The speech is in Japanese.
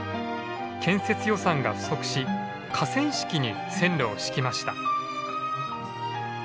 建設予算が不足し河川敷に線路を敷きました。